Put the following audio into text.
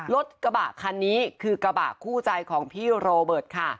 รถกระบะคันนี้คือกระบะคู่ใจของพี่โรเบิร์ตค่ะ